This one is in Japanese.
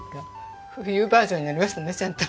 冬バージョンになりましたねちゃんと。